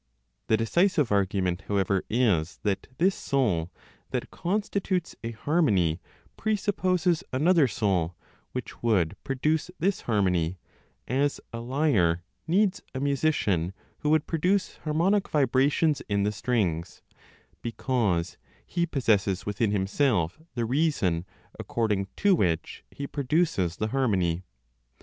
The decisive argument, however, is that this soul (that constitutes a harmony) presupposes another soul which would produce this harmony, as a lyre needs a musician who would produce harmonic vibrations in the strings, because he possesses within himself the reason according to which he produces the harmony.